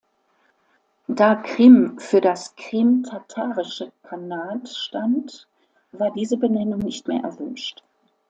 Da Krim für das krimtatarische Khanat stand, war diese Benennung nicht mehr erwünscht.